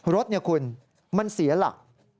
รถเนี่ยคุณมันเสียหลัก